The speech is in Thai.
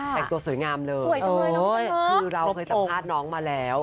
แต่งตัวสวยงามเลยคือเราเคยสัมภาษณ์น้องมาแล้ว